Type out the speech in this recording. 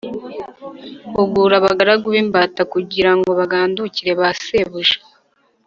Hugura abagaragu b’imbata kugira ngo bagandukire ba shebuja